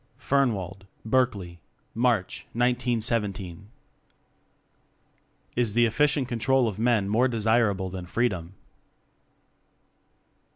Fernwald, Berkeley, March, 1917. IS THE EFFICIENT CONTROL OF MEN MORE DESIRABLE THAN FREEDOM?